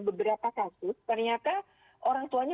beberapa kasus ternyata orang tuanya